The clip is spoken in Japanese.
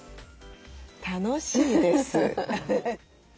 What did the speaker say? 楽しいです。